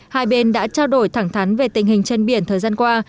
hai bên đã trao đổi thẳng thắn về tình hình trên biển thời gian qua